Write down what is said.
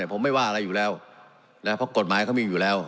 ผมไม่ว่าอะไรอยู่แล้วนะเพราะกฎหมายเขามีอยู่แล้ว